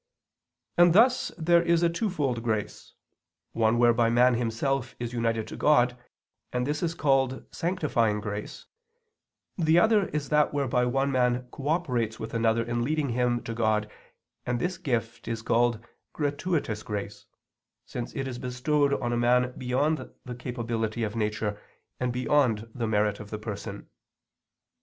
And thus there is a twofold grace: one whereby man himself is united to God, and this is called "sanctifying grace"; the other is that whereby one man cooperates with another in leading him to God, and this gift is called "gratuitous grace," since it is bestowed on a man beyond the capability of nature, and beyond the merit of the person.